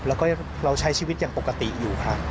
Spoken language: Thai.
แล้วก็เราใช้ชีวิตอย่างปกติอยู่ครับ